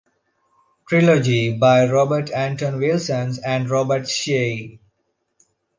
Trilogy by Robert Anton Wilson and Robert Shea.